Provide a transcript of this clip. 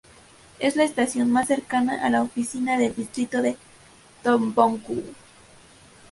Es la estación más cercana a la oficina del distrito de Dobong-gu.